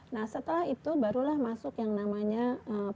nah setelah itu barulah masuk yang namanya pemeriksaan suku